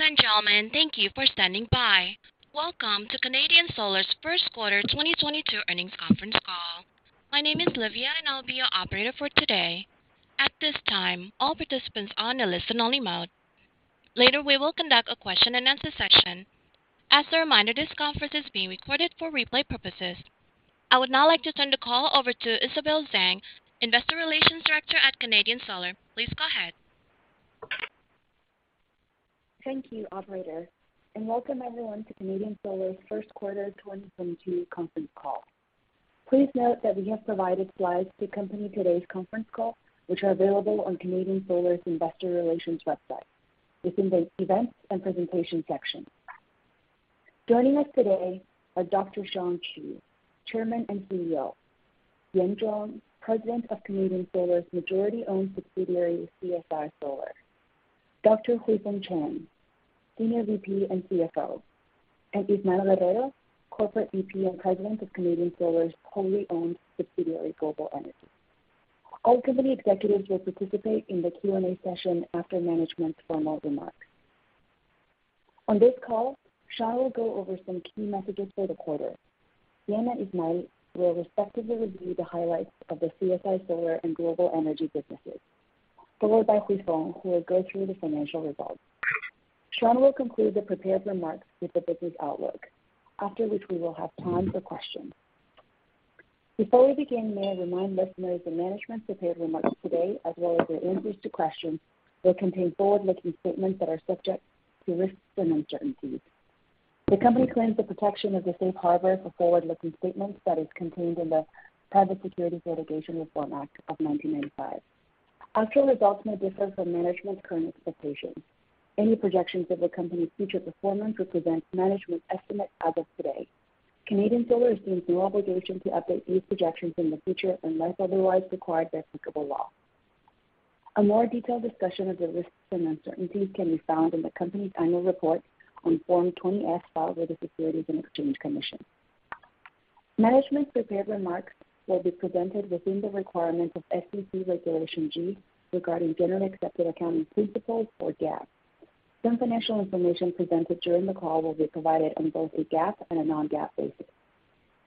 Good day, ladies and gentlemen. Thank you for standing by. Welcome to Canadian Solar's first quarter 2022 earnings conference call. My name is Livia, and I'll be your operator for today. At this time, all participants are in a listen-only mode. Later, we will conduct a question-and-answer session. As a reminder, this conference is being recorded for replay purposes. I would now like to turn the call over to Isabel Zhang, Investor Relations Director at Canadian Solar. Please go ahead. Thank you, operator, and welcome everyone to Canadian Solar's first quarter 2022 conference call. Please note that we have provided slides to accompany today's conference call, which are available on Canadian Solar's investor relations website within the Events and Presentation section. Joining us today are Dr. Shawn Qu, Chairman and CEO, Yan Zhuang, President of Canadian Solar's majority-owned subsidiary, CSI Solar, Dr. Huifeng Chang, Senior VP and CFO, and Ismael Guerrero, Corporate VP and President of Canadian Solar's wholly-owned subsidiary, Global Energy. All company executives will participate in the Q&A session after management's formal remarks. On this call, Shawn will go over some key messages for the quarter. Yan and Ismael will respectively review the highlights of the CSI Solar and Global Energy businesses, followed by Huifeng, who will go through the financial results. Shawn Qu will conclude the prepared remarks with the business outlook, after which we will have time for questions. Before we begin, may I remind listeners the management's prepared remarks today, as well as their answers to questions, will contain forward-looking statements that are subject to risks and uncertainties. The company claims the protection of the safe harbor for forward-looking statements that is contained in the Private Securities Litigation Reform Act of 1995. Actual results may differ from management's current expectations. Any projections of the company's future performance represent management's estimate as of today. Canadian Solar assumes no obligation to update these projections in the future unless otherwise required by applicable law. A more detailed discussion of the risks and uncertainties can be found in the company's annual report on Form 20-F, filed with the Securities and Exchange Commission. Management's prepared remarks will be presented within the requirements of SEC Regulation G regarding generally accepted accounting principles, or GAAP. Some financial information presented during the call will be provided on both a GAAP and a non-GAAP basis.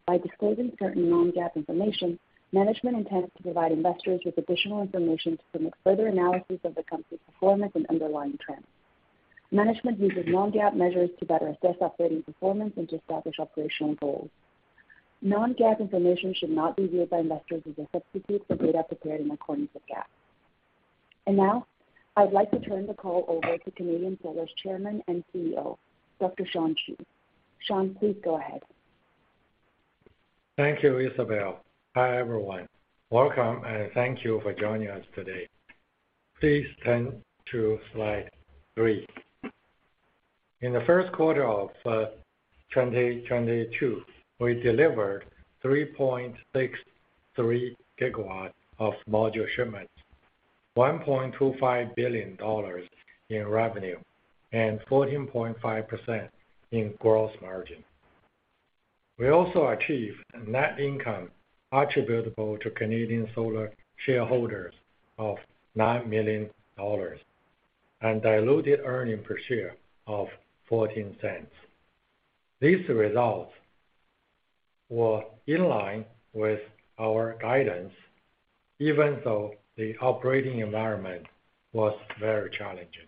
By disclosing certain non-GAAP information, management intends to provide investors with additional information to promote further analysis of the company's performance and underlying trends. Management uses non-GAAP measures to better assess operating performance and to establish operational goals. Non-GAAP information should not be viewed by investors as a substitute for data prepared in accordance with GAAP. Now, I'd like to turn the call over to Canadian Solar's Chairman and CEO, Dr. Shawn Qu. Shawn, please go ahead. Thank you, Isabel. Hi, everyone. Welcome, and thank you for joining us today. Please turn to slide 3. In the first quarter of 2022, we delivered 3.63 gigawatt of module shipments, $1.25 billion in revenue, and 14.5% in gross margin. We also achieved a net income attributable to Canadian Solar shareholders of $9 million and diluted earnings per share of $0.14. These results were in line with our guidance, even though the operating environment was very challenging.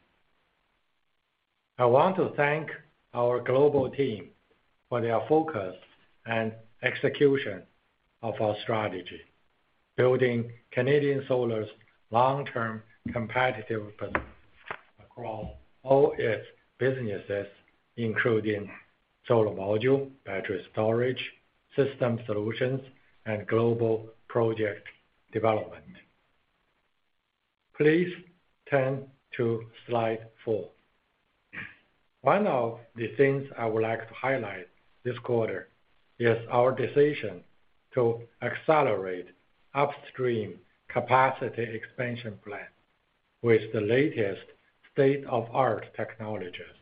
I want to thank our global team for their focus and execution of our strategy, building Canadian Solar's long-term competitive advantage across all its businesses, including solar module, battery storage, system solutions, and global project development. Please turn to slide 4. One of the things I would like to highlight this quarter is our decision to accelerate upstream capacity expansion plan with the latest state-of-the-art technologies.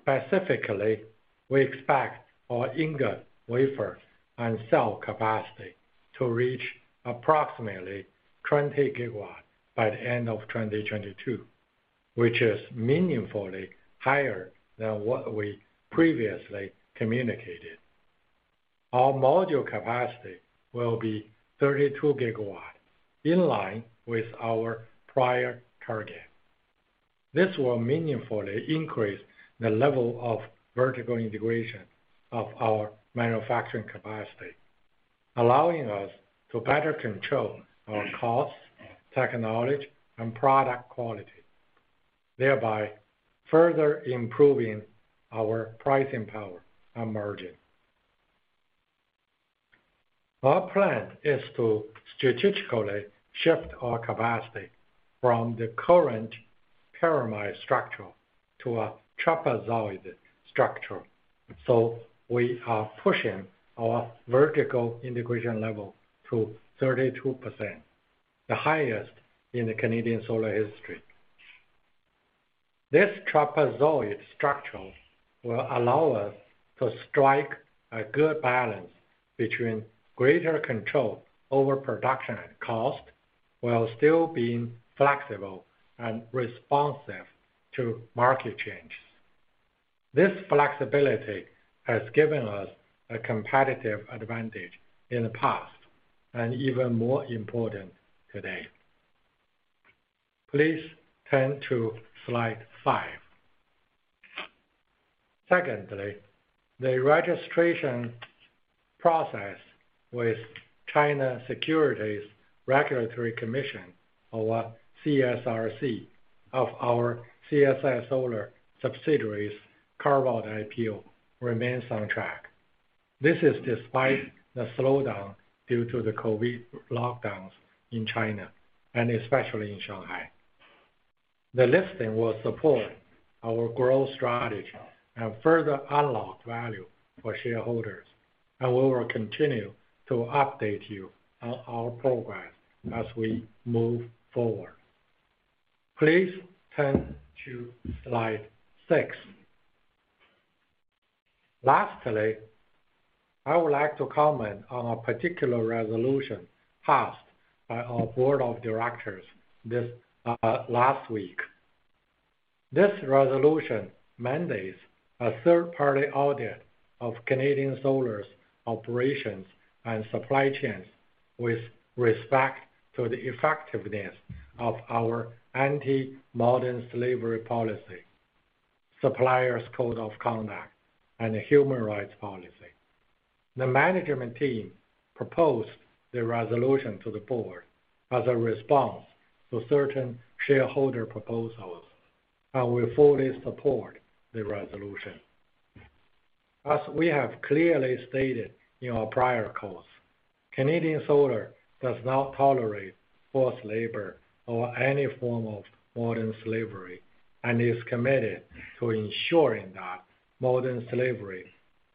Specifically, we expect our ingot, wafer, and cell capacity to reach approximately 20 GW by the end of 2022, which is meaningfully higher than what we previously communicated. Our module capacity will be 32 GW, in line with our prior target. This will meaningfully increase the level of vertical integration of our manufacturing capacity, allowing us to better control our costs, technology, and product quality, thereby further improving our pricing power and margin. Our plan is to strategically shift our capacity from the current pyramid structure to a trapezoid structure. We are pushing our vertical integration level to 32%, the highest in the Canadian Solar history. This trapezoid structure will allow us to strike a good balance between greater control over production and cost while still being flexible and responsive to market changes. This flexibility has given us a competitive advantage in the past, and even more important today. Please turn to slide five. Secondly, the registration process with China Securities Regulatory Commission, or CSRC, of our CSI Solar subsidiaries carve-out IPO remains on track. This is despite the slowdown due to the COVID lockdowns in China, and especially in Shanghai. The listing will support our growth strategy and further unlock value for shareholders, and we will continue to update you on our progress as we move forward. Please turn to slide six. Lastly, I would like to comment on a particular resolution passed by our board of directors this last week. This resolution mandates a third-party audit of Canadian Solar's operations and supply chains with respect to the effectiveness of our anti-modern slavery policy, suppliers' code of conduct, and human rights policy. The management team proposed the resolution to the board as a response to certain shareholder proposals, and we fully support the resolution. As we have clearly stated in our prior calls, Canadian Solar does not tolerate forced labor or any form of modern slavery, and is committed to ensuring that modern slavery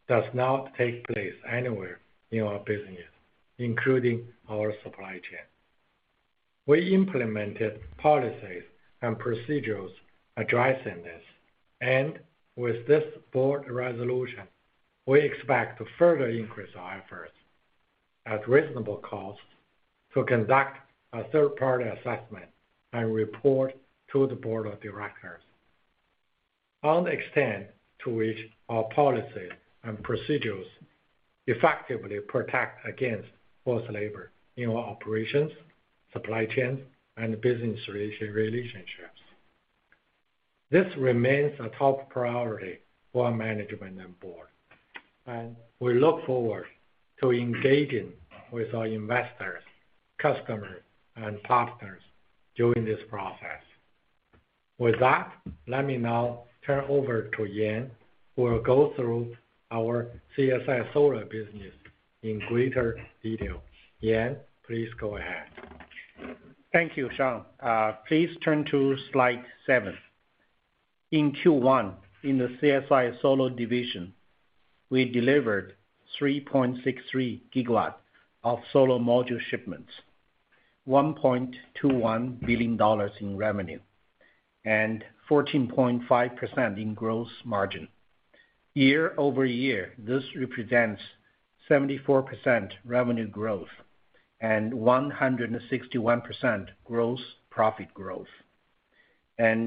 does not take place anywhere in our business, including our supply chain. We implemented policies and procedures addressing this, and with this board resolution, we expect to further increase our efforts at reasonable cost to conduct a third-party assessment and report to the board of directors on the extent to which our policies and procedures effectively protect against forced labor in our operations, supply chains, and business relationships. This remains a top priority for management and board, and we look forward to engaging with our investors, customers, and partners during this process. With that, let me now turn over to Yan, who will go through our CSI Solar business in greater detail. Yan, please go ahead. Thank you, Shawn. Please turn to slide seven. In Q1, in the CSI Solar division, we delivered 3.63 gigawatt of solar module shipments, $1.21 billion in revenue, and 14.5% in gross margin. Year-over-year, this represents 74% revenue growth and 161% gross profit growth.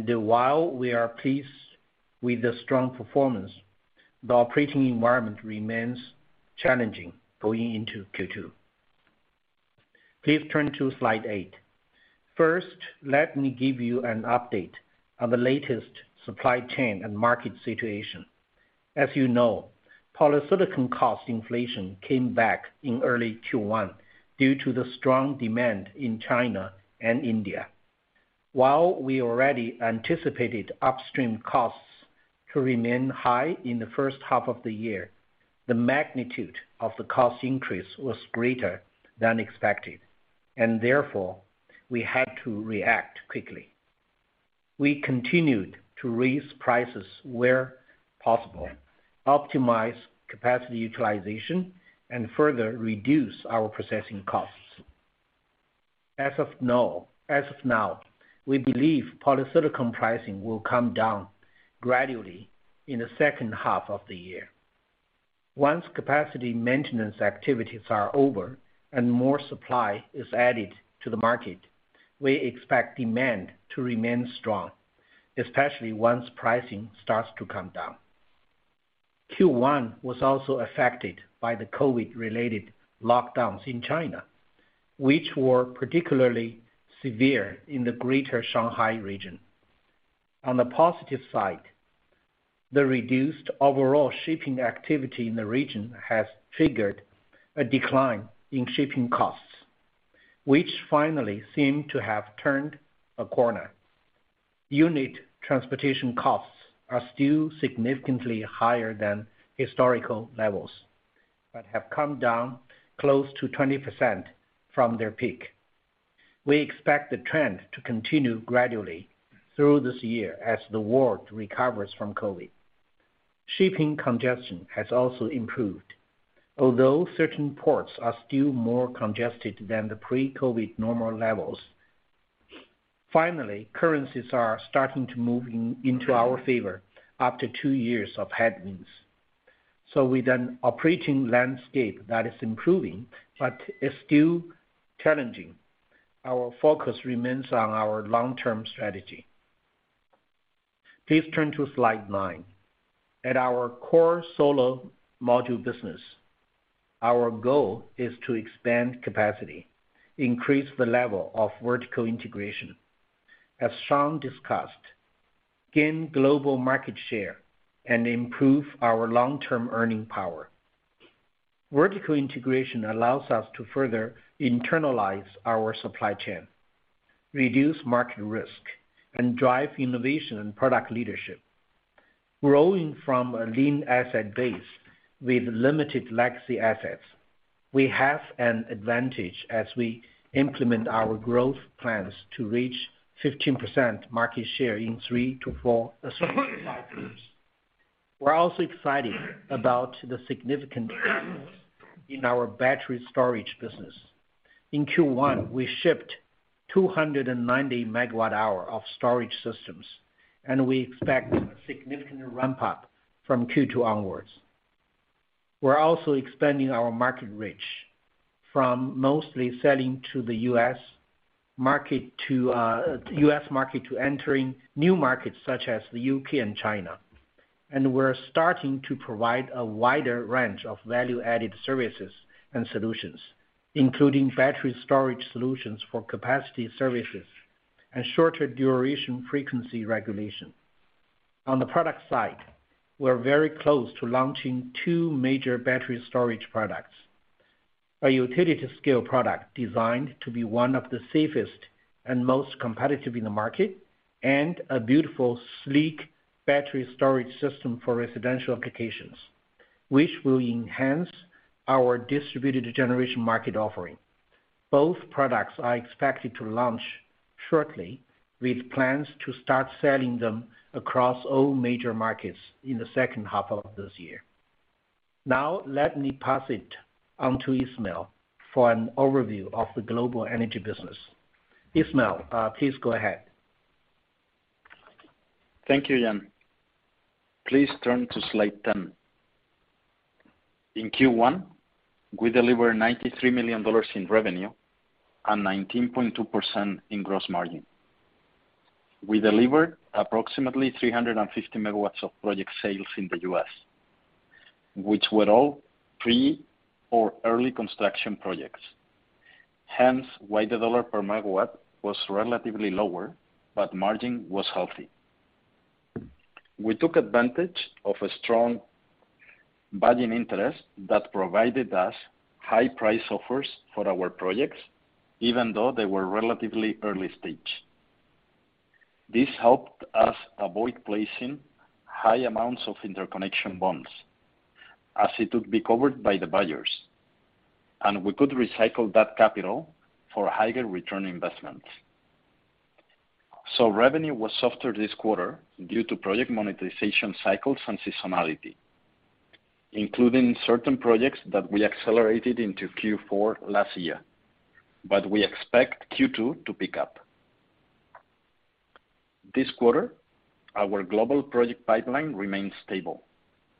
While we are pleased with the strong performance, the operating environment remains challenging going into Q2. Please turn to slide eight. First, let me give you an update on the latest supply chain and market situation. As you know, polysilicon cost inflation came back in early Q1 due to the strong demand in China and India. While we already anticipated upstream costs to remain high in the first half of the year, the magnitude of the cost increase was greater than expected, and therefore, we had to react quickly. We continued to raise prices where possible, optimize capacity utilization, and further reduce our processing costs. As of now, we believe polysilicon pricing will come down gradually in the second half of the year. Once capacity maintenance activities are over and more supply is added to the market, we expect demand to remain strong, especially once pricing starts to come down. Q1 was also affected by the COVID-related lockdowns in China, which were particularly severe in the greater Shanghai region. On the positive side, the reduced overall shipping activity in the region has triggered a decline in shipping costs, which finally seem to have turned a corner. Unit transportation costs are still significantly higher than historical levels, but have come down close to 20% from their peak. We expect the trend to continue gradually through this year as the world recovers from COVID. Shipping congestion has also improved, although certain ports are still more congested than the pre-COVID normal levels. Finally, currencies are starting to move in, into our favor after 2 years of headwinds. With an operating landscape that is improving but is still challenging, our focus remains on our long-term strategy. Please turn to slide 9. At our core solar module business, our goal is to expand capacity, increase the level of vertical integration, as Shawn discussed, gain global market share, and improve our long-term earning power. Vertical integration allows us to further internalize our supply chain, reduce market risk, and drive innovation and product leadership. Growing from a lean asset base with limited legacy assets, we have an advantage as we implement our growth plans to reach 15% market share in 3-4 addressable markets. We're also excited about the significant in our battery storage business. In Q1, we shipped 290 megawatt-hours of storage systems, and we expect a significant ramp up from Q2 onwards. We're also expanding our market reach from mostly selling to the U.S. market to entering new markets such as the U.K. and China. We're starting to provide a wider range of value-added services and solutions, including battery storage solutions for capacity services and shorter duration frequency regulation. On the product side, we're very close to launching two major battery storage products, a utility-scale product designed to be one of the safest and most competitive in the market, and a beautiful, sleek battery storage system for residential applications, which will enhance our distributed generation market offering. Both products are expected to launch shortly, with plans to start selling them across all major markets in the second half of this year. Now, let me pass it on to Ismael for an overview of the global energy business. Ismael, please go ahead. Thank you, Yan. Please turn to slide 10. In Q1, we delivered $93 million in revenue and 19.2% in gross margin. We delivered approximately 350 megawatts of project sales in the U.S., which were all pre or early construction projects. Hence why the dollar per megawatt was relatively lower, but margin was healthy. We took advantage of a strong buying interest that provided us high price offers for our projects, even though they were relatively early stage. This helped us avoid placing high amounts of interconnection bonds as it would be covered by the buyers, and we could recycle that capital for higher return investments. Revenue was softer this quarter due to project monetization cycles and seasonality, including certain projects that we accelerated into Q4 last year. We expect Q2 to pick up. This quarter, our global project pipeline remains stable,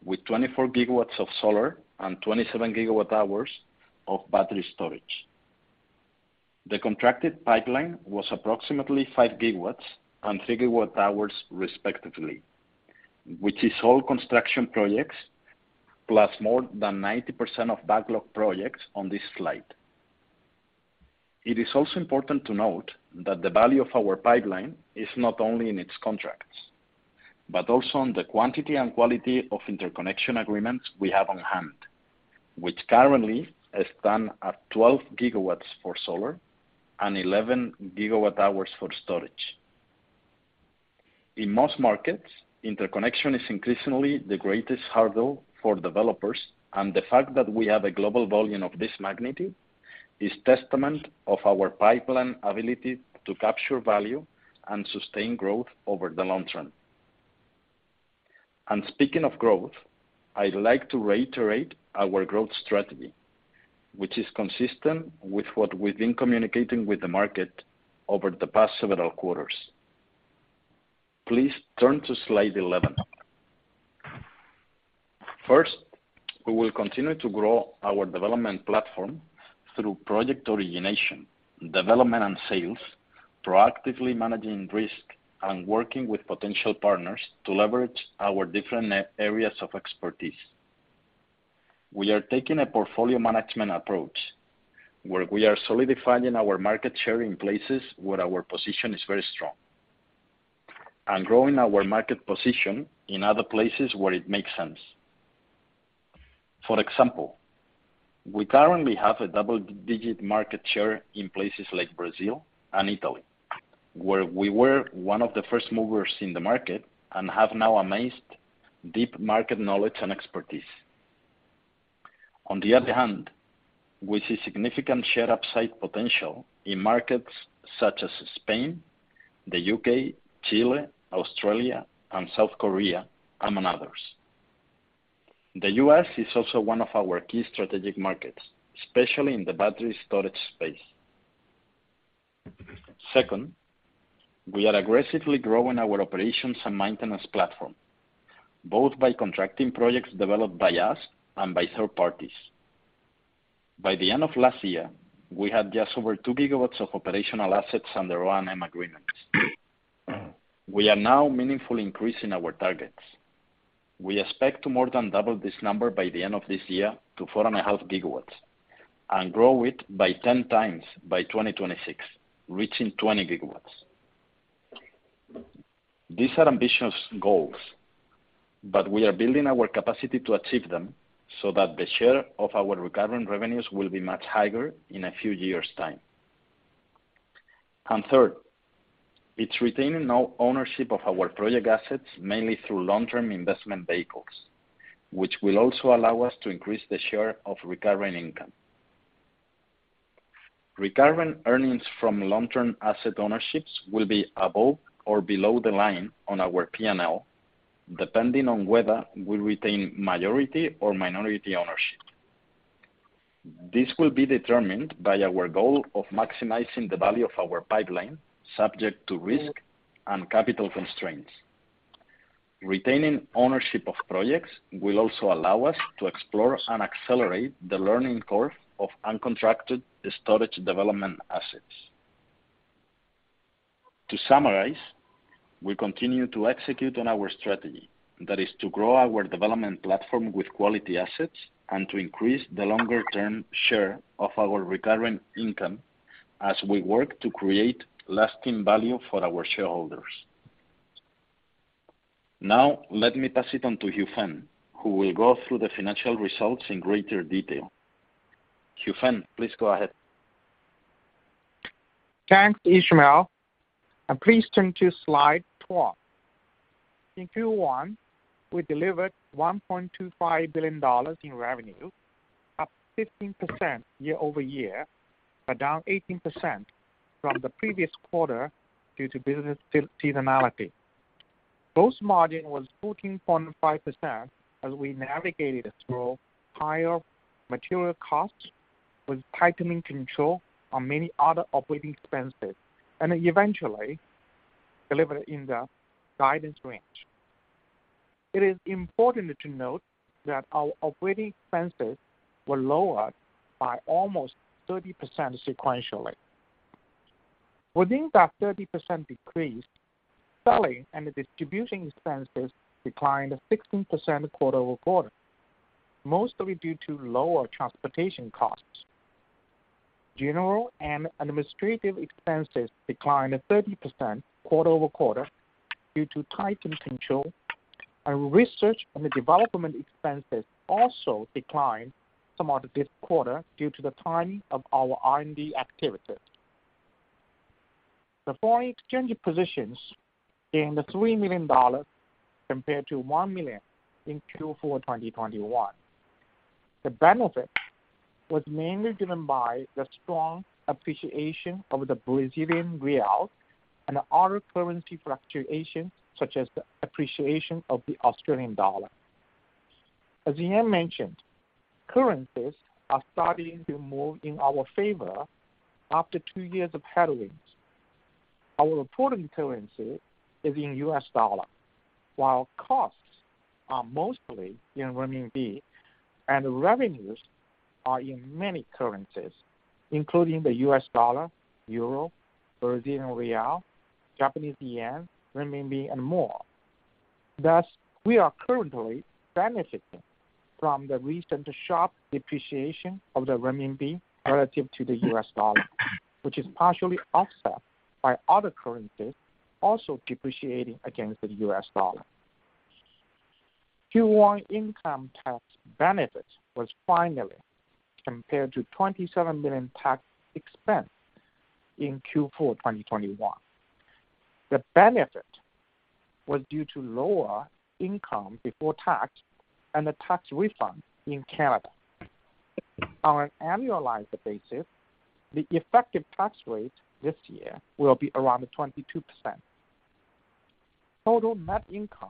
with 24 gigawatts of solar and 27 gigawatt hours of battery storage. The contracted pipeline was approximately 5 gigawatts and gigawatt hours respectively, which is all construction projects, plus more than 90% of backlog projects on this slide. It is also important to note that the value of our pipeline is not only in its contracts, but also on the quantity and quality of interconnection agreements we have on hand, which currently is at 12 gigawatts for solar and 11 gigawatt hours for storage. In most markets, interconnection is increasingly the greatest hurdle for developers, and the fact that we have a global volume of this magnitude is testament to our pipeline ability to capture value and sustain growth over the long term. Speaking of growth, I'd like to reiterate our growth strategy, which is consistent with what we've been communicating with the market over the past several quarters. Please turn to slide 11. First, we will continue to grow our development platform through project origination, development and sales, proactively managing risk and working with potential partners to leverage our different areas of expertise. We are taking a portfolio management approach, where we are solidifying our market share in places where our position is very strong and growing our market position in other places where it makes sense. For example, we currently have a double-digit market share in places like Brazil and Italy, where we were one of the first movers in the market and have now amassed deep market knowledge and expertise. On the other hand, we see significant share upside potential in markets such as Spain, the U.K., Chile, Australia, and South Korea, among others. The U.S. is also one of our key strategic markets, especially in the battery storage space. Second, we are aggressively growing our operations and maintenance platform, both by contracting projects developed by us and by third parties. By the end of last year, we had just over 2 gigawatts of operational assets under O&M agreements. We are now meaningfully increasing our targets. We expect to more than double this number by the end of this year to 4.5 gigawatts, and grow it by 10 times by 2026, reaching 20 gigawatts. These are ambitious goals, but we are building our capacity to achieve them so that the share of our recurring revenues will be much higher in a few years' time. Third, it's retaining ownership of our project assets, mainly through long-term investment vehicles, which will also allow us to increase the share of recurring income. Recurring earnings from long-term asset ownerships will be above or below the line on our P&L, depending on whether we retain majority or minority ownership. This will be determined by our goal of maximizing the value of our pipeline, subject to risk and capital constraints. Retaining ownership of projects will also allow us to explore and accelerate the learning curve of uncontracted storage development assets. To summarize, we continue to execute on our strategy. That is to grow our development platform with quality assets and to increase the longer-term share of our recurring income as we work to create lasting value for our shareholders. Now, let me pass it on to Huifeng Chang, who will go through the financial results in greater detail. Huifeng Chang, please go ahead. Thanks, Ismael. Please turn to slide 12. In Q1, we delivered $1.25 billion in revenue, up 15% year-over-year, but down 18% from the previous quarter due to business seasonality. Gross margin was 14.5%, as we navigated through higher material costs with tightening control on many other operating expenses, and eventually delivered in the guidance range. It is important to note that our operating expenses were lower by almost 30% sequentially. Within that 30% decrease, selling and distribution expenses declined 16% quarter-over-quarter. Mostly due to lower transportation costs. General and administrative expenses declined 30% quarter-over-quarter due to tightened control. Research and development expenses also declined somewhat this quarter due to the timing of our R&D activities. The foreign exchange positions gained $3 million compared to $1 million in Q4 2021. The benefit was mainly driven by the strong appreciation of the Brazilian real and other currency fluctuations, such as the appreciation of the Australian dollar. As Yan mentioned, currencies are starting to move in our favor after two years of headwinds. Our reported currency is in US dollar, while costs are mostly in renminbi, and revenues are in many currencies, including the US dollar, euro, Brazilian real, Japanese yen, renminbi, and more. Thus, we are currently benefiting from the recent sharp depreciation of the renminbi relative to the US dollar, which is partially offset by other currencies also depreciating against the US dollar. Q1 income tax benefit was $1 million compared to $27 million tax expense in Q4 2021. The benefit was due to lower income before tax and the tax refund in Canada. On an annualized basis, the effective tax rate this year will be around 22%. Total net income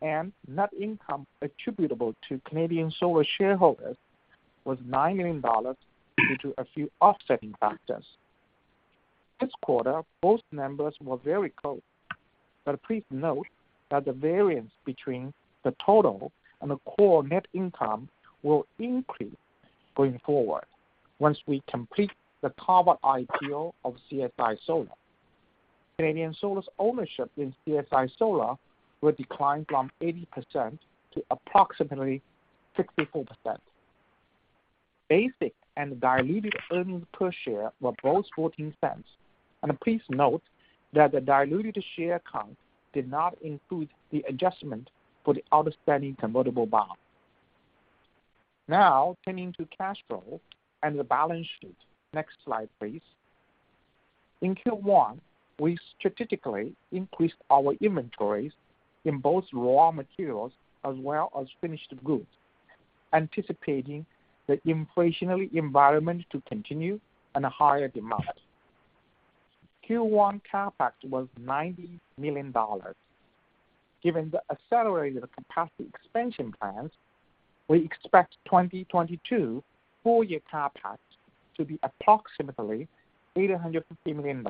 and net income attributable to Canadian Solar shareholders was $9 million due to a few offsetting factors. This quarter, both numbers were very close. Please note that the variance between the total and the core net income will increase going forward once we complete the covered IPO of CSI Solar. Canadian Solar's ownership in CSI Solar will decline from 80% to approximately 64%. Basic and diluted earnings per share were both $0.14. Please note that the diluted share count did not include the adjustment for the outstanding convertible bond. Now turning to cash flow and the balance sheet. Next slide, please. In Q1, we strategically increased our inventories in both raw materials as well as finished goods, anticipating the inflationary environment to continue and a higher demand. Q1 CapEx was $90 million. Given the accelerated capacity expansion plans, we expect 2022 full year CapEx to be approximately $850 million,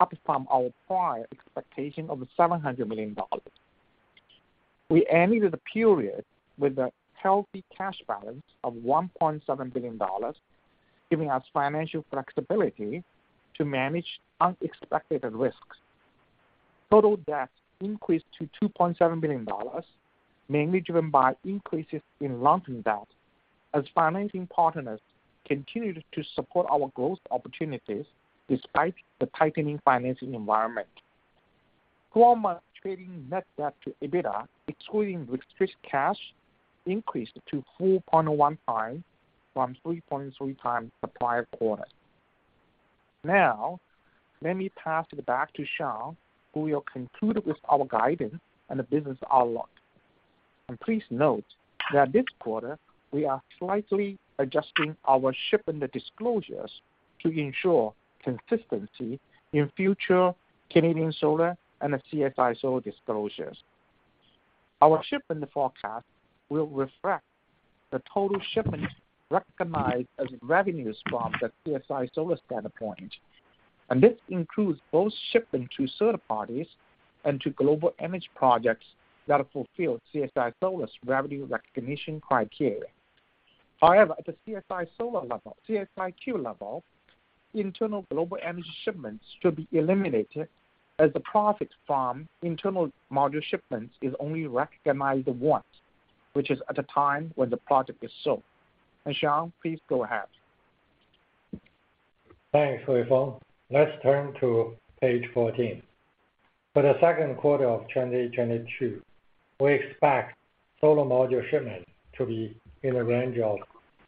up from our prior expectation of $700 million. We ended the period with a healthy cash balance of $1.7 billion, giving us financial flexibility to manage unexpected risks. Total debt increased to $2.7 billion, mainly driven by increases in long-term debt as financing partners continued to support our growth opportunities despite the tightening financing environment. Twelve-month trading net debt to EBITDA, excluding restricted cash, increased to 4.1 times from 3.3 times the prior quarter. Now, let me pass it back to Shawn, who will conclude with our guidance and the business outlook. Please note that this quarter we are slightly adjusting our shipment disclosures to ensure consistency in future Canadian Solar and CSI Solar disclosures. Our shipment forecast will reflect the total shipments recognized as revenues from the CSI Solar standpoint, and this includes both shipping to third parties and to Global Energy projects that fulfill CSI Solar's revenue recognition criteria. However, at the CSI Solar level, CSIQ level, internal Global Energy shipments should be eliminated as the profit from internal module shipments is only recognized once, which is at the time when the product is sold. Shawn, please go ahead. Thanks, Huifeng. Let's turn to page 14. For the second quarter of 2022, we expect solar module shipments to be in the range of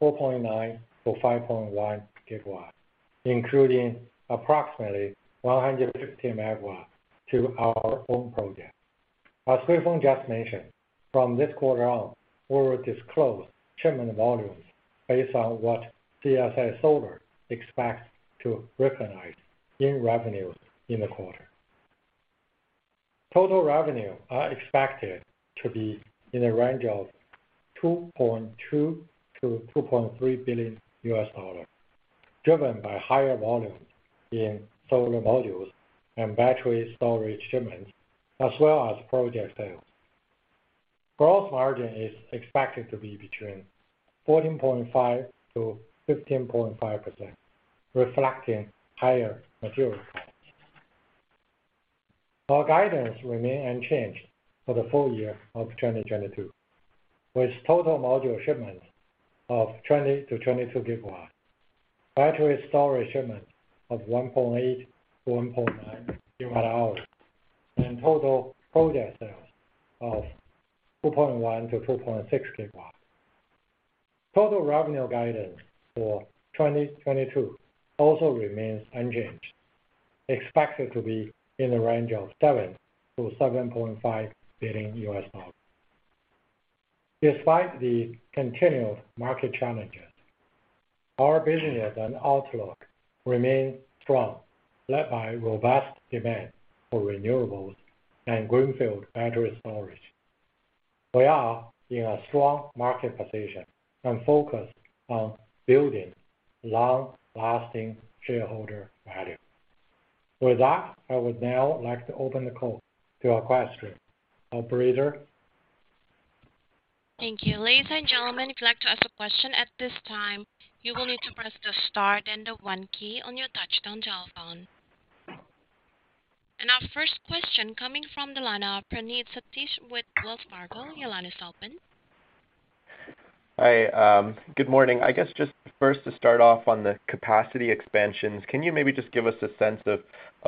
4.9-5.1 gigawatts, including approximately 150 megawatts to our own projects. As Huifeng just mentioned, from this quarter on, we will disclose shipment volumes based on what CSI Solar expects to recognize in revenues in the quarter. Total revenue are expected to be in the range of $2.2 billion-$2.3 billion, driven by higher volumes in solar modules and battery storage shipments as well as project sales. Gross margin is expected to be between 14.5%-15.5%, reflecting higher material costs. Our guidance remains unchanged for the full year of 2022, with total module shipments of 20-22 gigawatts, battery storage shipments of 1.8-1.9 gigawatt-hours, and total project sales of 2.1-2.6 gigawatts. Total revenue guidance for 2022 also remains unchanged, expected to be in the range of $7-$7.5 billion. Despite the continued market challenges, our business and outlook remain strong, led by robust demand for renewables and greenfield battery storage. We are in a strong market position and focused on building long-lasting shareholder value. With that, I would now like to open the call to our question. Operator? Thank you. Ladies and gentlemen, if you'd like to ask a question at this time, you will need to press the star then the one key on your touchtone telephone. Our first question coming from the line of Praneeth Satish with Wells Fargo, your line is open. Hi. Good morning. I guess just first to start off on the capacity expansions, can you maybe just give us a sense of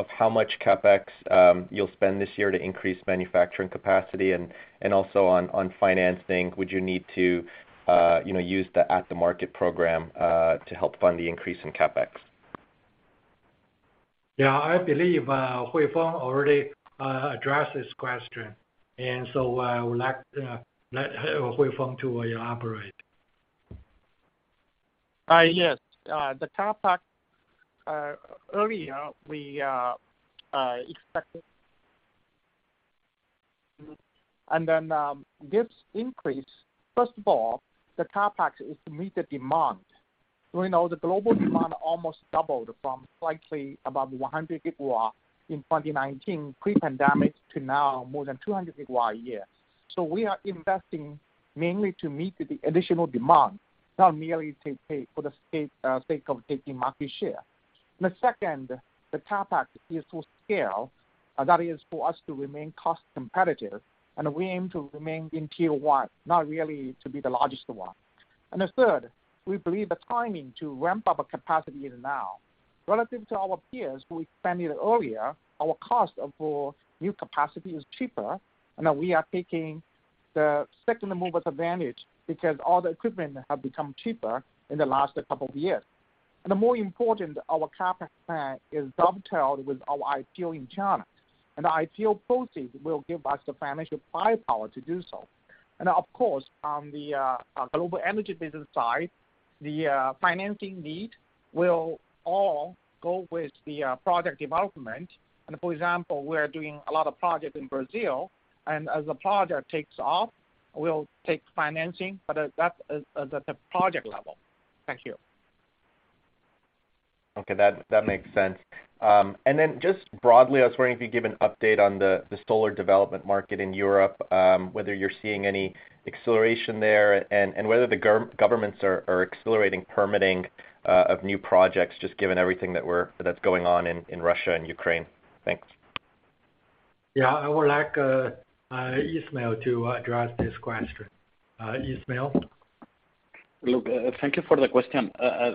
how much CapEx you'll spend this year to increase manufacturing capacity? Also on financing, would you need to you know use the at the market program to help fund the increase in CapEx? Yeah. I believe, Huifeng already addressed this question, and so, I would like to let Huifeng to elaborate. This increase, first of all, the CapEx is to meet the demand. We know the global demand almost doubled from slightly above 100 GW in 2019 pre-pandemic to now more than 200 GW a year. We are investing mainly to meet the additional demand, not merely to pay for the sake of taking market share. Second, the CapEx is to scale. That is for us to remain cost competitive, and we aim to remain in Tier 1, not really to be the largest one. Third, we believe the timing to ramp up our capacity is now. Relative to our peers who expanded earlier, our cost for new capacity is cheaper, and we are taking the second mover advantage because all the equipment have become cheaper in the last couple of years. More important, our CapEx plan is dovetailed with our IPO in China, and the IPO proceeds will give us the financial firepower to do so. Of course, on the Global Energy business side, the financing need will all go with the product development. For example, we are doing a lot of projects in Brazil, and as the project takes off, we'll take financing, but that's at the project level. Thank you. Okay. That makes sense. Just broadly, I was wondering if you give an update on the solar development market in Europe, whether you're seeing any acceleration there and whether the governments are accelerating permitting of new projects, just given everything that's going on in Russia and Ukraine. Thanks. Yeah. I would like Ismael to address this question. Ismael? Look, thank you for the question.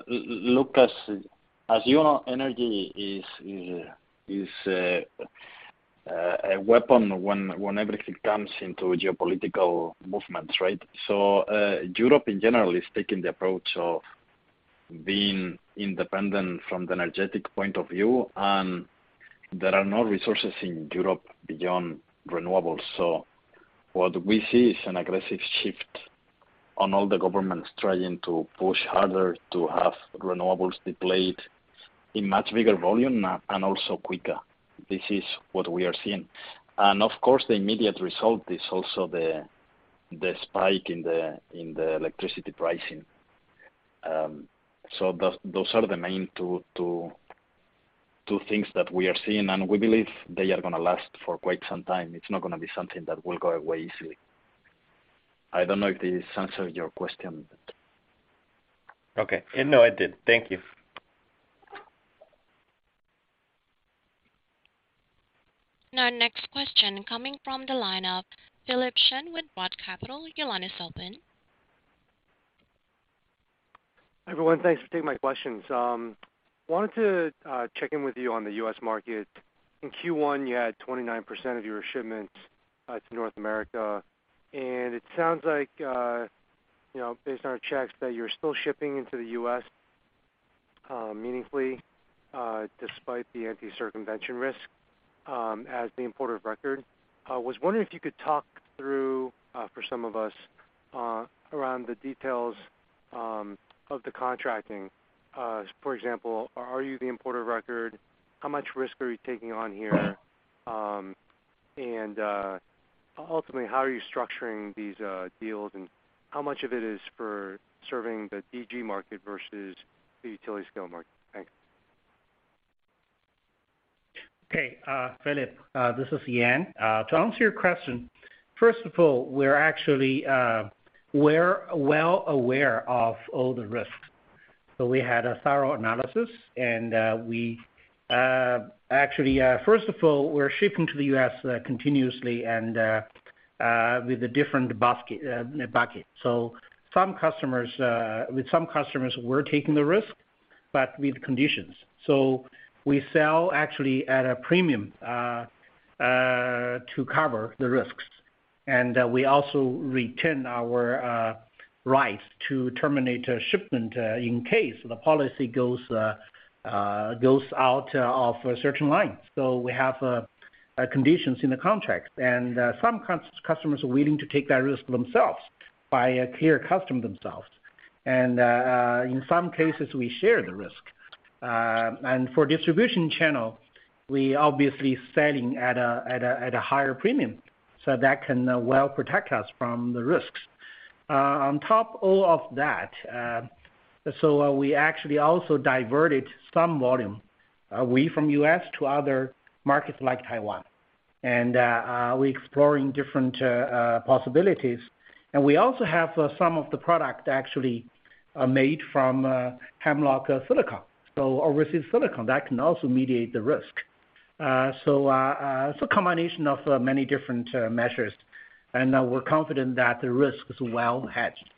Look, as you know, energy is a weapon when everything comes into geopolitical movements, right? Europe in general is taking the approach of being independent from the energy point of view, and there are no resources in Europe beyond renewables. What we see is an aggressive shift on all the governments trying to push harder to have renewables deployed in much bigger volume now, and also quicker. This is what we are seeing. Of course, the immediate result is also the spike in the electricity pricing. Those are the main two things that we are seeing, and we believe they are gonna last for quite some time. It's not gonna be something that will go away easily. I don't know if this answered your question. Okay. No, it did. Thank you. Now, next question coming from the line of Philip Shen with Roth Capital Partners. Your line is open. Everyone, thanks for taking my questions. Wanted to check in with you on the U.S. market. In Q1, you had 29% of your shipments to North America. It sounds like, you know, based on our checks, that you're still shipping into the U.S., meaningfully, despite the anti-circumvention risk, as the importer of record. I was wondering if you could talk through, for some of us, around the details of the contracting. For example, are you the importer of record? How much risk are you taking on here? Ultimately, how are you structuring these deals, and how much of it is for serving the DG market versus the utility scale market? Thanks. Okay. Philip Shen, this is Yan Zhuang. To answer your question, first of all, we're actually well aware of all the risks. We had a thorough analysis and we actually first of all, we're shipping to the U.S. continuously and with a different bucket. With some customers we're taking the risk, but with conditions. We sell actually at a premium to cover the risks. We also retain our rights to terminate a shipment in case the policy goes out of certain lines. We have conditions in the contract. Some customers are willing to take that risk themselves by clearing customs themselves. In some cases, we share the risk. For distribution channel, we obviously selling at a higher premium, so that can well protect us from the risks. On top of all of that, we actually also diverted some volume away from U.S. to other markets like Taiwan. We exploring different possibilities. We also have some of the product actually made from Hemlock silicon or REC Silicon, that can also mitigate the risk. Combination of many different measures, and we're confident that the risk is well hedged.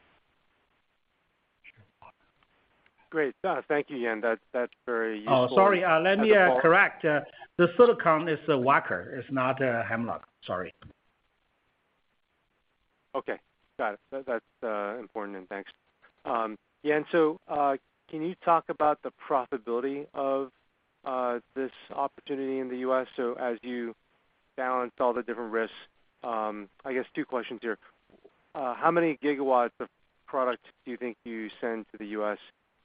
Great. Thank you, Yan. That's very useful. Oh, sorry. Let me correct. The silicon is Wacker, it's not Hemlock. Sorry. Okay. Got it. That's important and thanks. Yan, can you talk about the profitability of this opportunity in the US as you balance all the different risks? I guess two questions here. How many gigawatts of product do you think you send to the US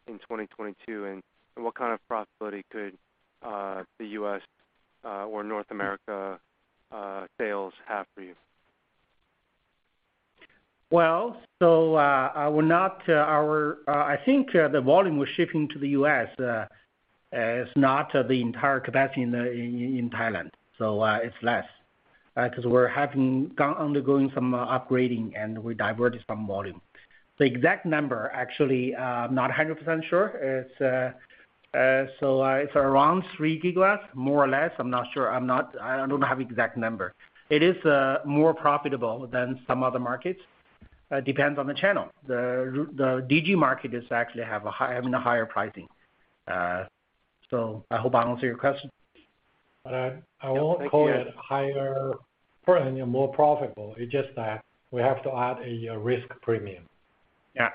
in 2022? And what kind of profitability could the US or North America sales have for you? I think the volume we're shipping to the U.S. is not the entire capacity in Thailand. It's less because we're undergoing some upgrading, and we diverted some volume. The exact number, actually, I'm not 100% sure. It's around 3 gigawatts, more or less. I'm not sure. I don't have exact number. It is more profitable than some other markets, depends on the channel. The DG market actually has higher pricing. I hope I answered your question. Thank you. I won't call it higher per se more profitable. It's just that we have to add a risk premium. Yeah.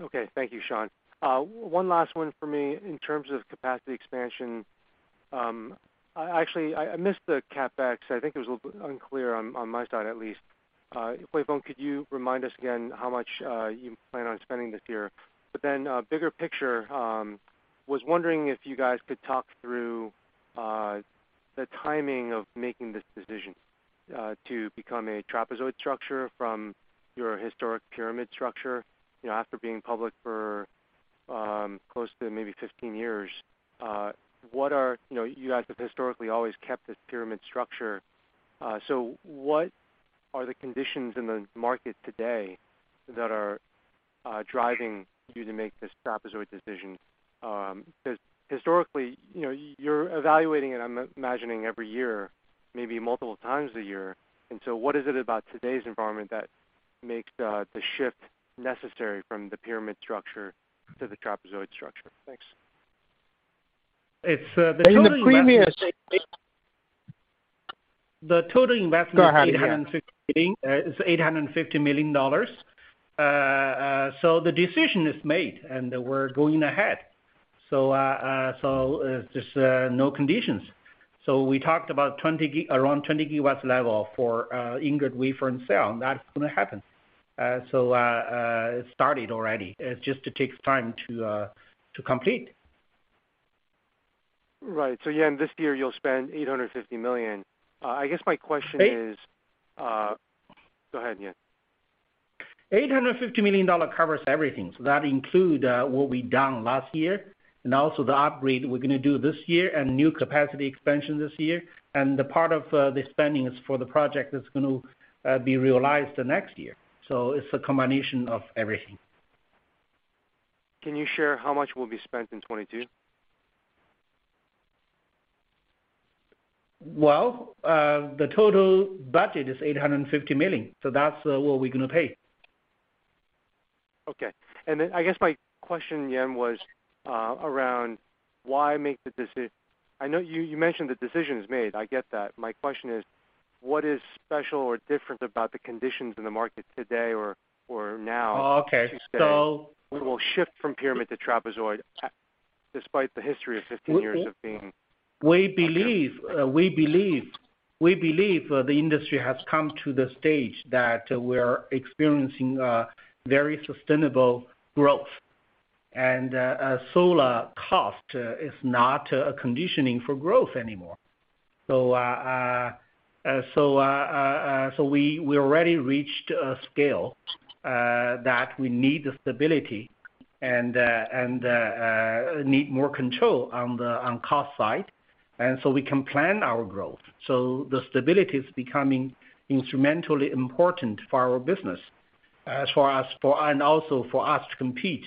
Okay. Thank you, Sean. One last one for me. In terms of capacity expansion, actually I missed the CapEx. I think it was a little bit unclear on my side at least. Huifeng, could you remind us again how much you plan on spending this year? Bigger picture, was wondering if you guys could talk through the timing of making this decision to become a trapezoid structure from your historic pyramid structure. After being public for close to maybe 15 years. You guys have historically always kept this pyramid structure. What are the conditions in the market today that are driving you to make this trapezoid decision? Historically, you know, you're evaluating, and I'm imagining every year, maybe multiple times a year. What is it about today's environment that makes the shift necessary from the pyramid structure to the trapezoid structure? Thanks. It's the total investment. In the previous- The total investment. Go ahead, yeah. $850 million. The decision is made, and we're going ahead. There's no conditions. We talked about around 20 gigawatts level for ingot, wafer, and cell. That's gonna happen. It started already. It just takes time to complete. Right. Yan, this year you'll spend $850 million. I guess my question is- Eight- Go ahead, yeah. $850 million covers everything. That include what we've done last year and also the upgrade we're gonna do this year and new capacity expansion this year. The part of the spending is for the project that's going to be realized next year. It's a combination of everything. Can you share how much will be spent in 2022? Well, the total budget is $850 million, so that's what we're gonna pay. Okay. I guess my question, Yan, was around why make the decision. I know you mentioned the decision is made. I get that. My question is, what is special or different about the conditions in the market today or now? Oh, okay. To say we will shift from pyramid to trapezoid despite the history of 15 years of being- We believe the industry has come to the stage that we're experiencing a very sustainable growth. Solar cost is not a conditioning for growth anymore. We already reached a scale that we need the stability and need more control on the cost side, and so we can plan our growth. The stability is becoming instrumentally important for our business, and also for us to compete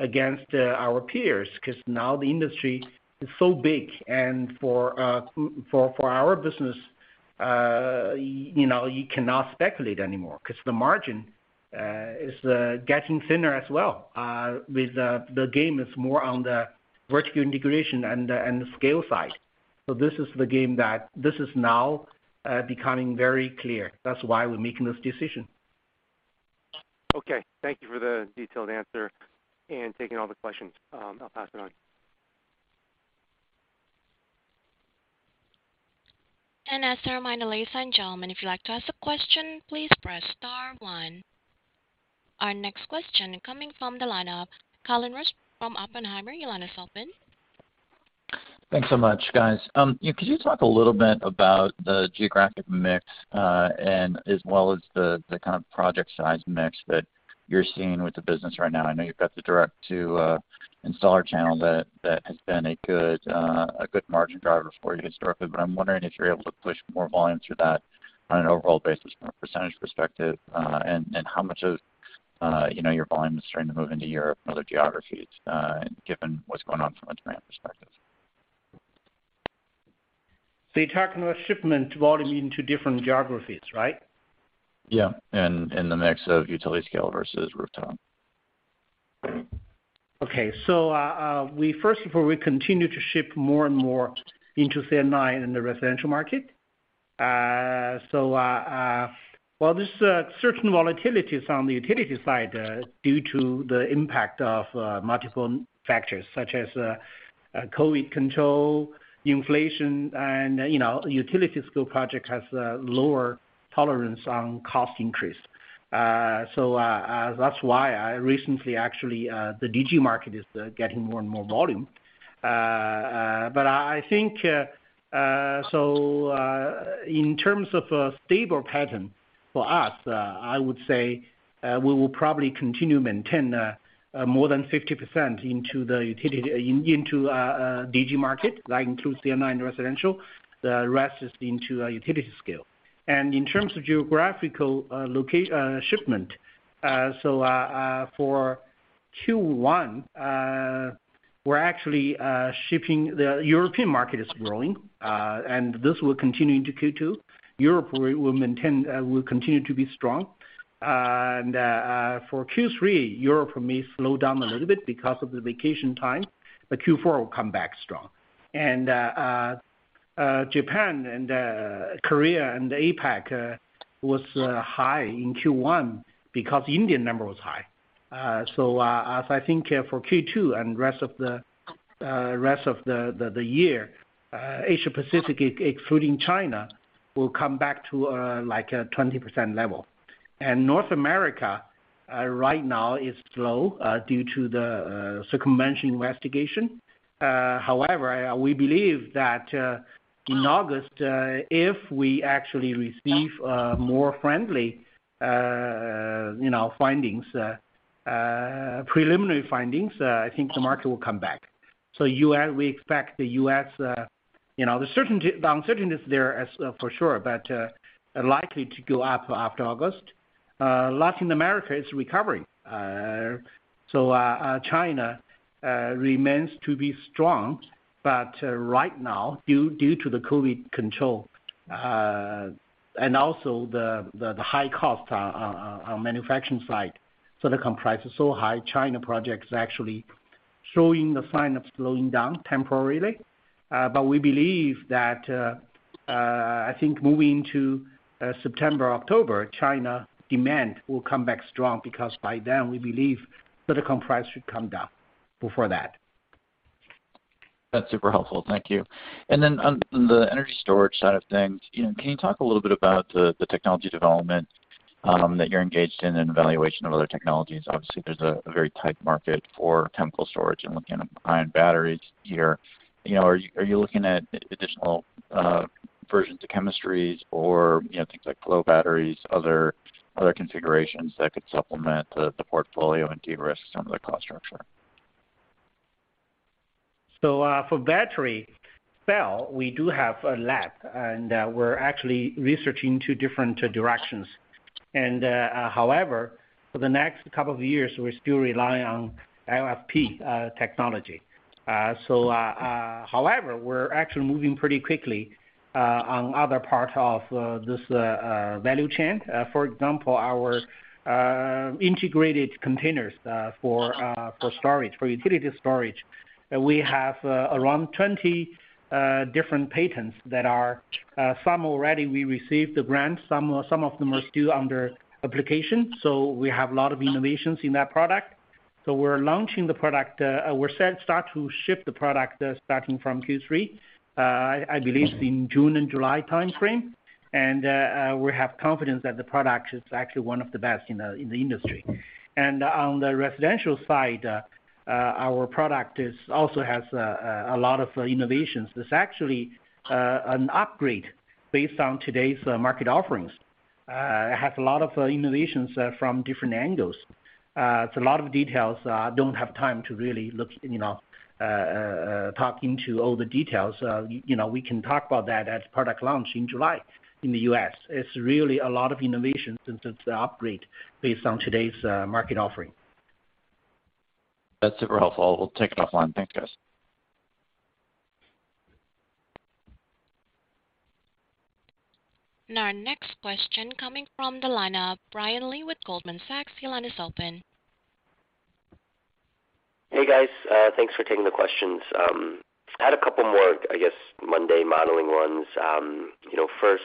against our peers, 'cause now the industry is so big. For our business, you know, you cannot speculate anymore 'cause the margin is getting thinner as well. The game is more on the vertical integration and the scale side. This is now becoming very clear. That's why we're making this decision. Okay. Thank you for the detailed answer and taking all the questions. I'll pass it on. As a reminder, ladies and gentlemen, if you'd like to ask a question, please press star one. Our next question coming from the line of Colin Rusch from Oppenheimer. Your line is open. Thanks so much, guys. Could you talk a little bit about the geographic mix, and as well as the kind of project size mix that you're seeing with the business right now? I know you've got the direct to installer channel that has been a good margin driver for you historically. I'm wondering if you're able to push more volume through that on an overall basis from a percentage perspective, and how much of your volume is starting to move into Europe and other geographies, given what's going on from a demand perspective. You're talking about shipment volume into different geographies, right? Yeah. The mix of utility scale versus rooftop. We first of all continue to ship more and more into C&I in the residential market. While there's certain volatilities on the utility side due to the impact of multiple factors such as COVID control, inflation, and you know, utility scale project has a lower tolerance on cost increase. That's why recently actually the DG market is getting more and more volume. I think in terms of a stable pattern for us, I would say we will probably continue to maintain more than 50% into the DG market. That includes C&I and residential. The rest is into a utility scale. In terms of geographical shipment, for Q1, we're actually shipping. The European market is growing, and this will continue into Q2. Europe will maintain, will continue to be strong. Japan and Korea and the APAC was high in Q1 because Indian number was high. As I think, for Q2 and rest of the year, Asia Pacific excluding China will come back to, like a 20% level. North America right now is slow due to the so-called anti-circumvention investigation. However, we believe that in August, if we actually receive more friendly, you know, preliminary findings, I think the market will come back. U.S., we expect the U.S., you know, the uncertainty is there, for sure, but likely to go up after August. Latin America is recovering. China remains to be strong. Right now, due to the COVID control and also the high cost on manufacturing side, so the price is so high, China projects actually showing a sign of slowing down temporarily. We believe that, I think moving to September, October, China demand will come back strong because by then we believe that the price should come down before that. That's super helpful. Thank you. Then on the energy storage side of things, can you talk a little bit about the technology development that you're engaged in and evaluation of other technologies? Obviously, there's a very tight market for chemical storage and looking at ion batteries here. Are you looking at additional versions of chemistries or, you know, things like flow batteries, other configurations that could supplement the portfolio and de-risk some of the cost structure? For battery cell, we do have a lab, and we're actually researching two different directions. However, for the next couple of years, we're still relying on LFP technology. However, we're actually moving pretty quickly on other part of this value chain. For example, our integrated containers for storage, for utility storage, we have around 20 different patents that are some already we received the grants, some of them are still under application. We have a lot of innovations in that product. We're launching the product, we're set start to ship the product, starting from Q3, I believe in June and July timeframe. We have confidence that the product is actually one of the best in the industry. On the residential side, our product also has a lot of innovations. It's actually an upgrade based on today's market offerings. It has a lot of innovations from different angles. It's a lot of details. I don't have time to really go into all the details, you know. We can talk about that at product launch in July in the US. It's really a lot of innovation since it's an upgrade based on today's market offering. That's super helpful. We'll take it offline. Thanks, guys. Now our next question coming from the line of Brian Lee with Goldman Sachs. Your line is open. Hey, guys. Thanks for taking the questions. I had a couple more, I guess, modeling ones. First,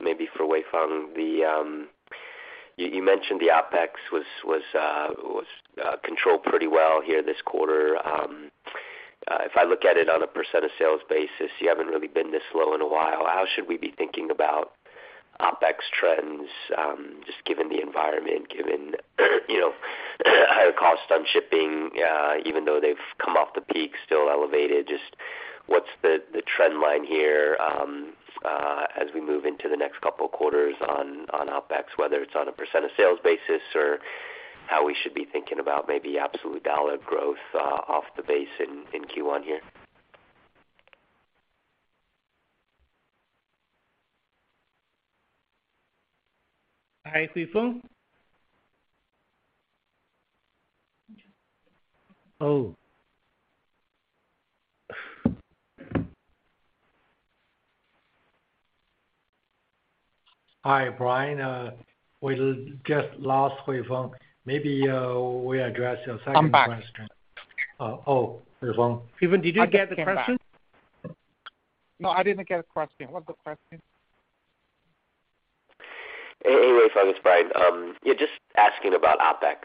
maybe for Huifeng. You mentioned the OpEx was controlled pretty well here this quarter. If I look at it on a % of sales basis, you haven't really been this low in a while. How should we be thinking about OpEx trends, just given the environment, given, you know, higher costs on shipping, even though they've come off the peak, still elevated? Just what's the trend line here, as we move into the next couple of quarters on OpEx, whether it's on a % of sales basis or how we should be thinking about maybe absolute dollar growth, off the base in Q1 here? Hi, Huifeng. Oh. Hi, Brian. We just lost Huifeng. Maybe, we address your second question. I'm back. Oh, Huifeng. Huifeng, did you get the question? No, I didn't get the question. What's the question? Hey, Huifeng, it's Brian. Yeah, just asking about OpEx.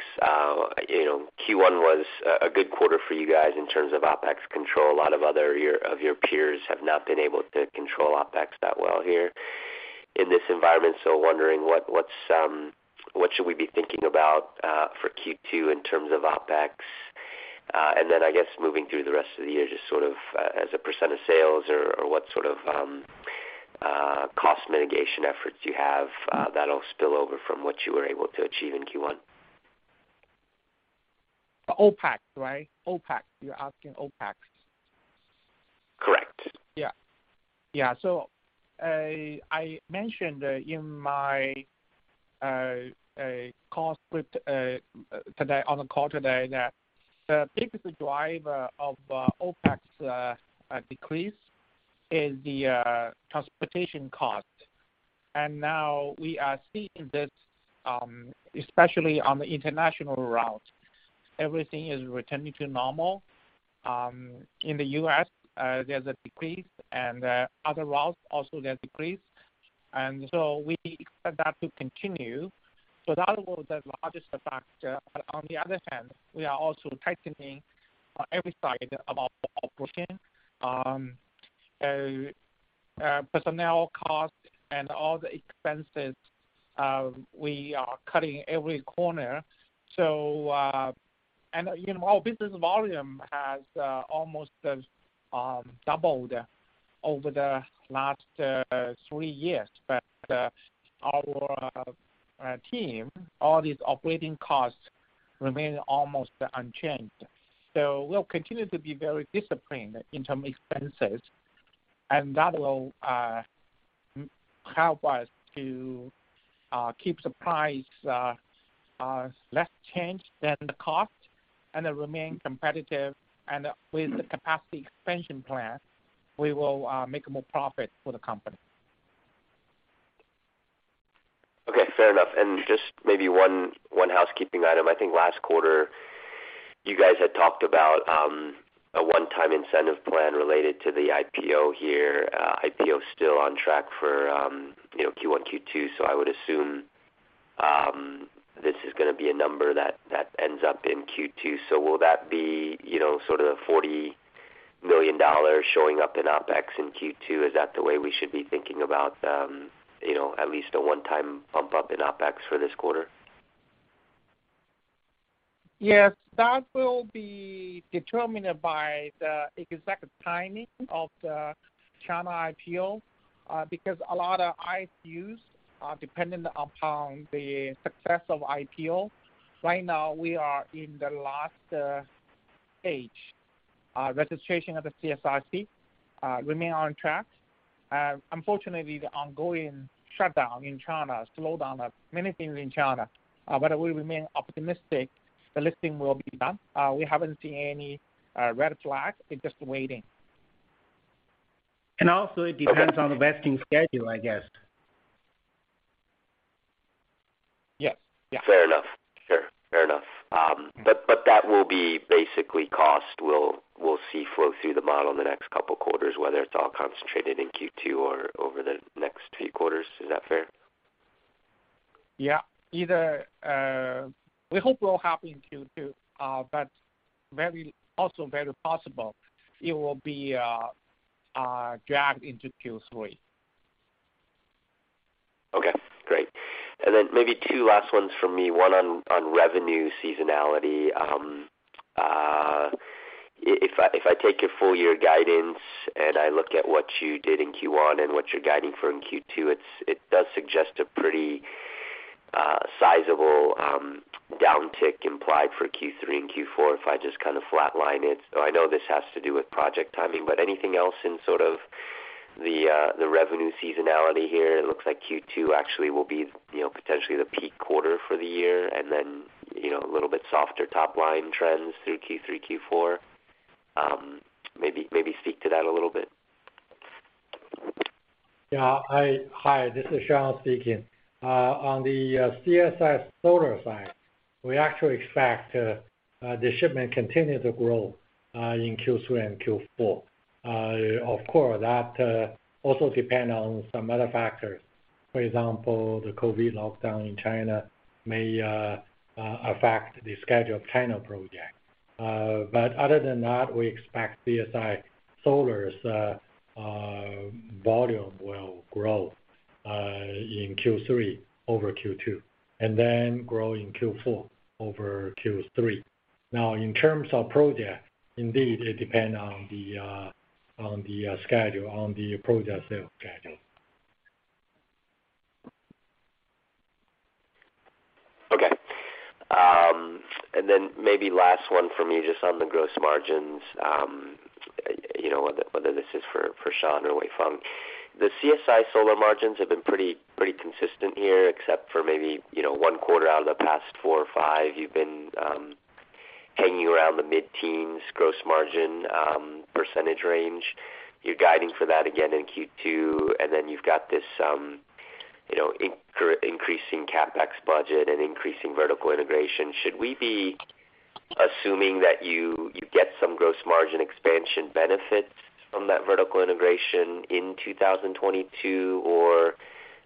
You know, Q1 was a good quarter for you guys in terms of OpEx control. A lot of other of your peers have not been able to control OpEx that well here in this environment. Wondering what we should be thinking about for Q2 in terms of OpEx? I guess moving through the rest of the year, just sort of as a percent of sales or what sort of cost mitigation efforts you have that'll spill over from what you were able to achieve in Q1. OpEx, right? OpEx. You're asking OpEx. Correct. I mentioned in my call script today, on the call today that the biggest driver of OpEx decrease is the transportation cost. Now we are seeing that, especially on the international routes, everything is returning to normal. In the US, there's a decrease, and other routes also there are decrease. We expect that to continue. That was the largest factor. On the other hand, we are also tightening every side of our operation. Personnel cost and all the expenses, we are cutting every corner. Our business volume has almost doubled over the last three years. Our team, all these operating costs remain almost unchanged. We'll continue to be very disciplined in terms of expenses, and that will help us to keep the price less change than the cost and remain competitive. With the capacity expansion plan, we will make more profit for the company. Okay, fair enough. Just maybe one housekeeping item. I think last quarter you guys had talked about a one-time incentive plan related to the IPO here. IPO is still on track for you know Q1 Q2 so I would assume this is gonna be a number that ends up in Q2. Will that be you know sort of $40 million showing up in OpEx in Q2? Is that the way we should be thinking about you know at least a one-time bump up in OpEx for this quarter? Yes. That will be determined by the exact timing of the China IPO, because a lot of RSUs are dependent upon the success of IPO. Right now, we are in the last stage. Registration of the CSRC remain on track. Unfortunately, the ongoing shutdown in China slows down many things in China. We remain optimistic the listing will be done. We haven't seen any red flags. We're just waiting. Also it depends on the vesting schedule, I guess. Yes. Yes. Fair enough. Sure. Fair enough. That will be basically costs we'll see flow through the model in the next couple quarters, whether it's all concentrated in Q2 or over the next two quarters. Is that fair? Yeah. Either we hope it will happen in Q2. Also very possible it will be dragged into Q3. Okay, great. Maybe two last ones for me, one on revenue seasonality. If I take your full year guidance and I look at what you did in Q1 and what you're guiding for in Q2, it does suggest a pretty sizable downtick implied for Q3 and Q4 if I just kind of flatline it. I know this has to do with project timing, but anything else in sort of the revenue seasonality here? It looks like Q2 actually will be, potentially the peak quarter for the year and then, a little bit softer top line trends through Q3, Q4. Maybe speak to that a little bit. Yeah. Hi. This is Shawn speaking. On the CSI Solar side, we actually expect the shipment continue to grow in Q3 and Q4. Of course, that also depend on some other factors. For example, the COVID lockdown in China may affect the scheduled panel project. Other than that, we expect CSI Solar's volume will grow in Q3 over Q2, and then grow in Q4 over Q3. Now, in terms of project, indeed, it depend on the schedule, on the project sale schedule. Maybe last one for me just on the gross margins, you know, whether this is for Sean or Huifeng. The CSI Solar margins have been pretty consistent here, except for maybe, you know, one quarter out of the past four or five. You've been hanging around the mid-teens gross margin percentage range. You're guiding for that again in Q2, and then you've got this increasing CapEx budget and increasing vertical integration. Should we be assuming that you get some gross margin expansion benefits from that vertical integration in 2022?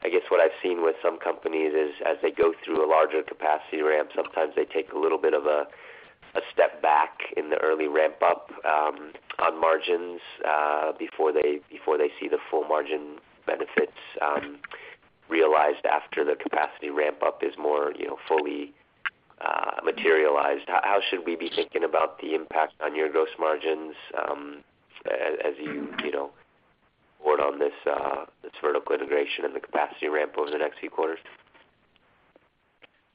I guess what I've seen with some companies is as they go through a larger capacity ramp, sometimes they take a little bit of a step back in the early ramp-up on margins before they see the full margin benefits realized after the capacity ramp-up is more, fully materialized. How should we be thinking about the impact on your gross margins as you know, embark on this vertical integration and the capacity ramp over the next few quarters?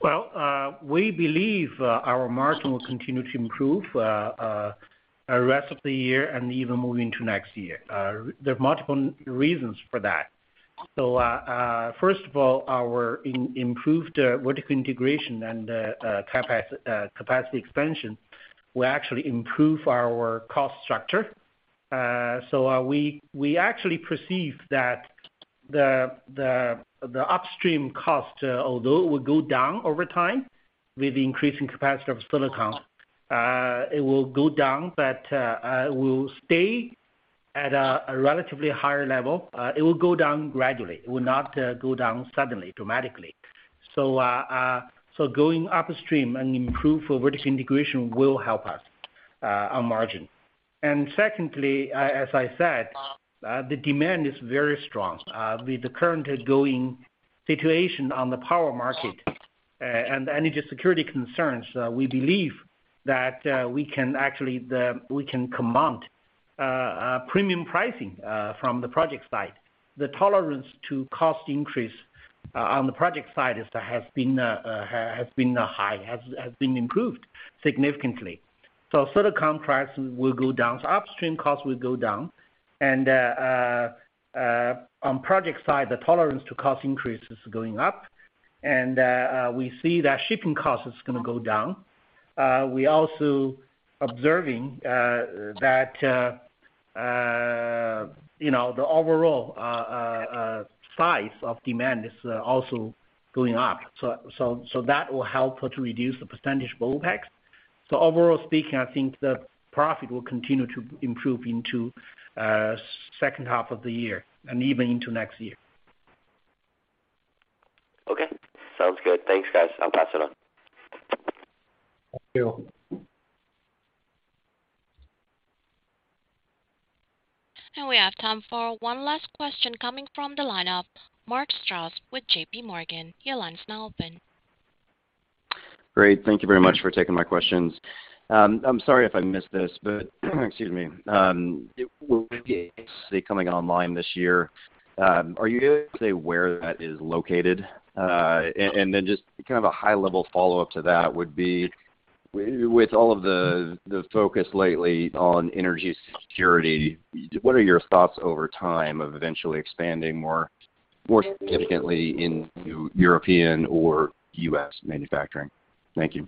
Well, we believe our margin will continue to improve rest of the year and even moving to next year. There are multiple reasons for that. First of all, our improved vertical integration and capacity expansion will actually improve our cost structure. We actually perceive that the upstream cost, although will go down over time with increasing capacity of silicon, it will go down, but will stay at a relatively higher level. It will go down gradually. It will not go down suddenly dramatically. Going upstream and improve for vertical integration will help us on margin. Secondly, as I said, the demand is very strong. With the current ongoing situation on the power market and the energy security concerns, we believe that we can command premium pricing from the project side. The tolerance to cost increase on the project side has been high, has been improved significantly. Silicon price will go down, so upstream costs will go down. On project side, the tolerance to cost increase is going up. We see that shipping cost is gonna go down. We also observing that you know the overall size of demand is also going up. That will help to reduce the percentage of OpEx. Overall speaking, I think the profit will continue to improve into second half of the year and even into next year. Okay. Sounds good. Thanks, guys. I'm passing on. Thank you. We have time for one last question coming from the line of Mark Strouse with J.P. Morgan. Your line is now open. Great. Thank you very much for taking my questions. I'm sorry if I missed this, but excuse me. It will be coming online this year. Are you gonna say where that is located? And then just kind of a high level follow-up to that would be with all of the focus lately on energy security, what are your thoughts over time of eventually expanding more significantly into European or U.S. manufacturing? Thank you.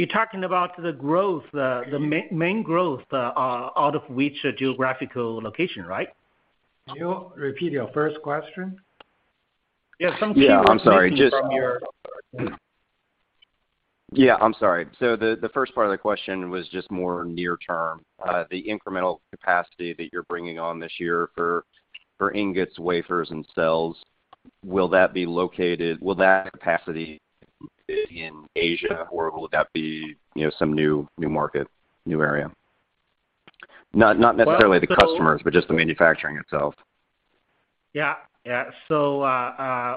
You're talking about the growth, the main growth, out of which geographical location, right? Can you repeat your first question? Yeah, something. Yeah. I'm sorry. From your Yeah. I'm sorry. The first part of the question was just more near term. The incremental capacity that you're bringing on this year for ingots, wafers, and cells, will that capacity be in Asia, or will that be, you know, some new market, new area? Not necessarily the customers. Well, Just the manufacturing itself. Yeah.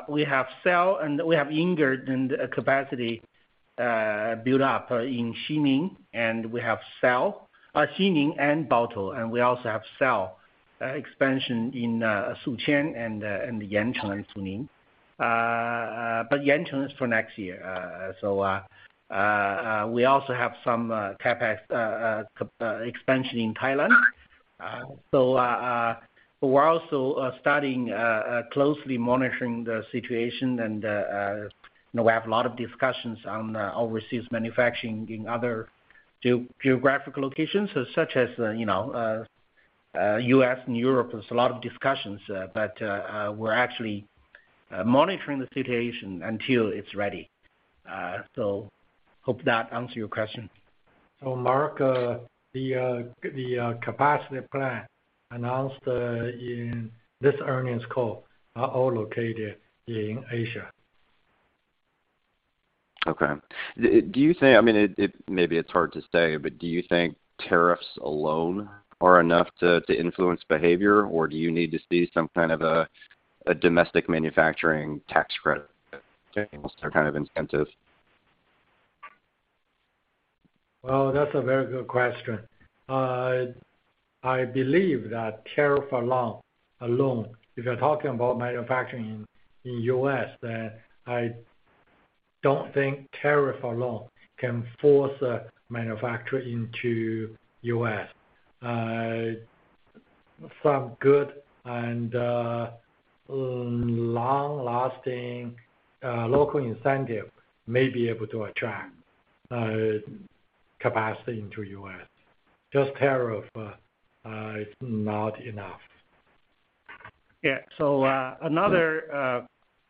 We have cell and we have ingot and capacity built up in Xining, and we have cell Xining and Baotou, and we also have cell expansion in Suqian and Yancheng, Suining. Yancheng is for next year. We also have some CapEx expansion in Thailand. We're also closely monitoring the situation and you know, we have a lot of discussions on overseas manufacturing in other geographical locations, such as you know, U.S. and Europe. There's a lot of discussions, but we're actually monitoring the situation until it's ready. Hope that answer your question. Mark, the capacity plan announced in this earnings call are all located in Asia. Okay. I mean, it maybe it's hard to say, but do you think tariffs alone are enough to influence behavior, or do you need to see some kind of a domestic manufacturing tax credit to influence or kind of incentive? Well, that's a very good question. I believe that tariff alone, if you're talking about manufacturing in U.S., then I don't think tariff alone can force a manufacturer into U.S. Some good and long-lasting local incentive may be able to attract capacity into U.S. Just tariff is not enough. Yeah.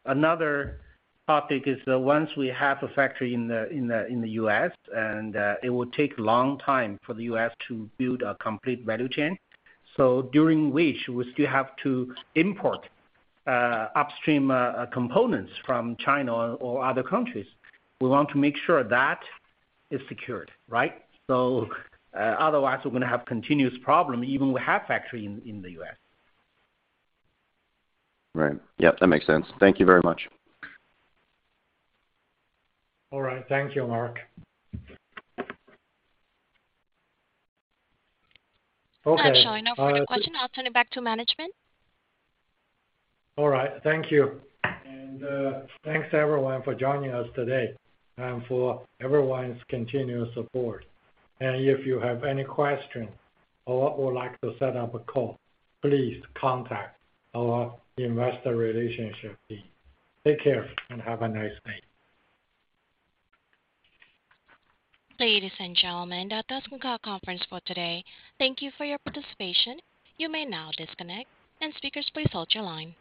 Another topic is once we have a factory in the U.S., and it would take long time for the U.S. to build a complete value chain. During which we still have to import upstream components from China or other countries. We want to make sure that is secured, right? Otherwise we're gonna have continuous problem even we have factory in the U.S. Right. Yeah. That makes sense. Thank you very much. All right. Thank you, Mark. That should be enough for the question. I'll turn it back to management. All right. Thank you. Thanks everyone for joining us today and for everyone's continuous support. If you have any question or would like to set up a call, please contact our Investor Relations team. Take care and have a nice day. Ladies and gentlemen, that does conclude our conference for today. Thank you for your participation. You may now disconnect. Speakers, please hold your line.